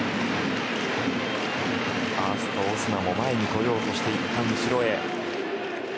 ファーストのオスナも前に来ようとしていったん後ろへ。